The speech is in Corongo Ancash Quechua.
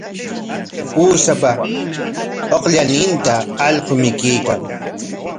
Uushapa aqallinninta allqu mikuykan.